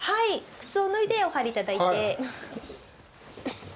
靴を脱いでお入りいただいて。